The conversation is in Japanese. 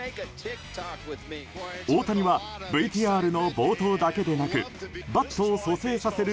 大谷はＶＴＲの冒頭だけでなくバットを蘇生させる